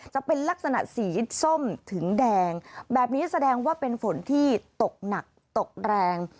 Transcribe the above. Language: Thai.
จะเป็นลักษณะสีส้มถึงแดงแบบนี้แสดงว่าเป็นฝนที่ตกหนักตกแรง